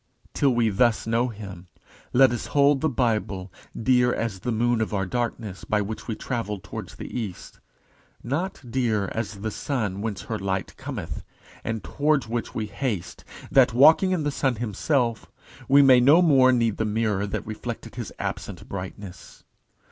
Till we thus know Him, let us hold the Bible dear as the moon of our darkness, by which we travel towards the east; not dear as the sun whence her light cometh, and towards which we haste, that, walking in the sun himself, we may no more need the mirror that reflected his absent brightness.